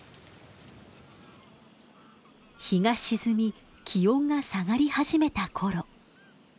日が沈み気温が下がり始めた頃。